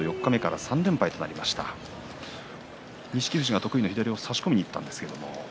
富士が得意の左を差し込みにいったんですが。